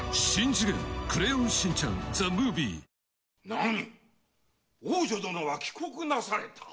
なにっ⁉王女殿は帰国なされた？